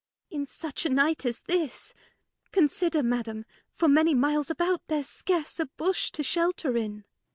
Ar. In such a Night as this ? Consider Madam, For many Miles ajbout there's scarce a Bush To shelter in.